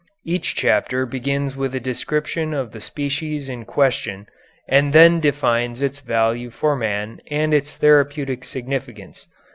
Each chapter begins with a description of the species in question, and then defines its value for man and its therapeutic significance.